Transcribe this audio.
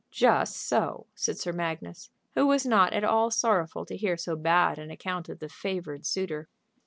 "Just so," said Sir Magnus, who was not at all sorrowful to hear so bad an account of the favored suitor.